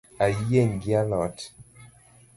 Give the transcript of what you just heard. Ayieng’ gi a lot